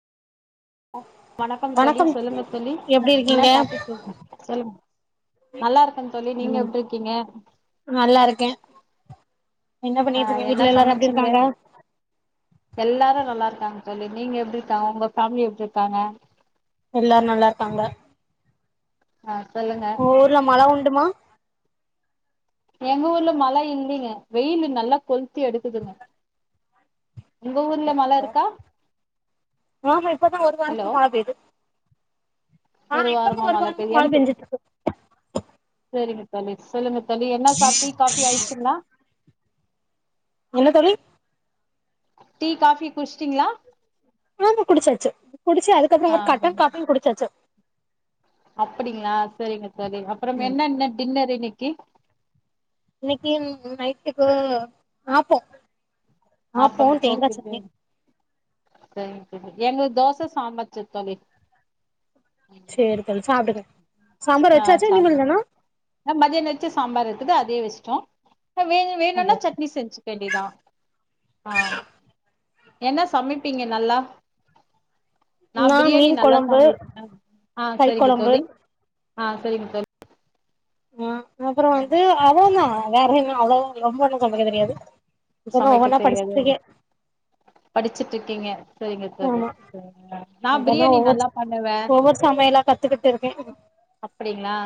அ வணக்கம் தோழி சொல்லுங்க தோழி எப்டி என்ன இருக்கீங்க டாபிக் பேசலா சொல்லுங்க நல்லா இருக்கன் தோழி நீங்க ம் எப்டி இருக்கீங்க நல்லா இருக்கே என்ன ஆ பண்ணிட்டிருக்கீங் என்ன வீட்ல எல்லாரு எப்டி சமச்சீங்க இருக்காங்க எல்லாரு நல்லா இருக்காங்க தோழி நீங்க எப்டிருக்கா உங்க ஃபேம்லி எப்டி இருக்காங்க எல்லாரு நல்லாருக்காங்க ஆ சொல்லுங்க உங்க ஊர்ல மழ உண்டுமா எங்க ஊர்ல மழ இல்லைங்க வெயிலு நல்லா கொள்த்தி எடுக்குதுங்க உங்க ஊர்ல மழ இருக்கா ஆமா இப்பதா ஒரு ஹலோ வாரமா மழ பெய்து ஆ இப்பதா ஒரு வாரமா மழ பெஞ்சுட்ருக்கு செரிங்க தோழி சொல்லுங்க தோழி என்ன சாப் டீ காஃபி ஆயி ச்சிங்ளா? என்ன தோழி? டீ காஃபி குச்ட்டீங்களா? ஆமா குடிச்சாச்சு குடிச்சு அதுக்கப்ற ஆ ஒரு கட்டன் காபியு குடிச்சாச்சு அப்பிடிங்ளா சரிங்க தோழி அப்றம் என்னன்ன டின்னர் இன்னக்கி? இன்னக்கி நைட்டுக்கு ஆப்போ ஆப்போ தேங்கா சட்னி செரிங் தோழி எங்கள் தோச சாம்பார் சட் தோழி சேரி தோழி சாப்டுங்க சாம்பார் வச்சாச்சா இனிமேல் தானா? அ மதியான வச்ச சாம்பார் இருக்குது அதயே வச்சுடோ அ வே வேணுன்னா சட்னி செஞ்சுக்க வேண்டியதா ஆ என்ன சமப்பீங்க நல்லா? நா பிரியாணி மீன் நல்லா கொழம்பு சமைப்பே ஆ கறி செரிங்க கொழம்பு தோழி ஆ செரிங்க தோழி ம் அப்றோ வந்து அவளொதா வேற என்ன அவ்ளொதா ரொம்ப ஒன்னு சமைக்க தெரியாது இப்பதா ஒவ்வொன்னா படிச்சிட்ருக்கே படிச்சிட்ருக்கீங்க செரிங்க தோழி ஆமா ஆ நா இப்பதா பிரியாணி ஒவ்வொரு நல்லா பண்ணுவே ஒவ்வொரு சமையலா கத்துக்கிட்டுருக்கே அப்புடிங்ளா